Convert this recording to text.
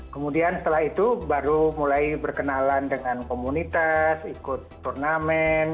kemudian setelah itu baru mulai berkenalan dengan komunitas ikut turnamen